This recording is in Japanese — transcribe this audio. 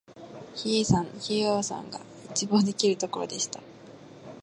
比叡山、比良山が一望できるところでした